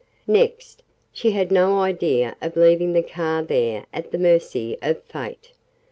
Next, she had no idea of leaving the car there at the mercy of fate.